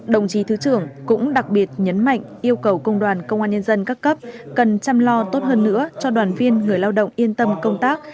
đồng chí thứ trưởng cũng đặc biệt nhấn mạnh yêu cầu công đoàn công an nhân dân các cấp cần chăm lo tốt hơn nữa cho đoàn viên người lao động yên tâm công tác